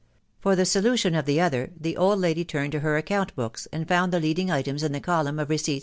For the solution of the other, the old lady turned to her account books, and found the leading items in l3ae column at rasfcVg.